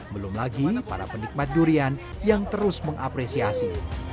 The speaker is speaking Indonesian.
belum lagi para penikmat durian yang terus mengapresiasi